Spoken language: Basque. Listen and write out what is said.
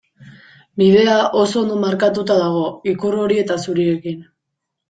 Bidea oso ondo markatuta dago ikur hori eta zuriekin.